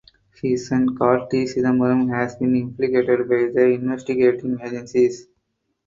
His son Karti Chidambaram has been implicated by the investigating agencies.